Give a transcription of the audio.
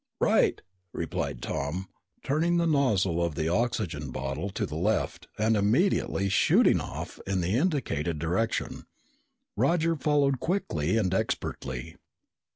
"Right!" replied Tom, turning the nozzle of the oxygen bottle to the left and immediately shooting off in the indicated direction. Roger followed quickly and expertly.